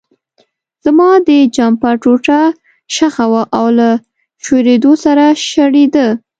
زما د جمپر ټوټه شخه وه او له شورېدو سره شریده.